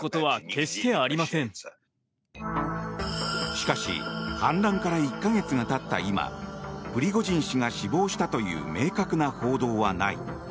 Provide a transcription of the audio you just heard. しかし、反乱から１か月がたった今プリゴジン氏が死亡したという明確な報道はない。